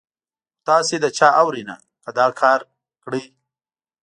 خو تاسې د چا اورئ نه، که دا کار کړئ.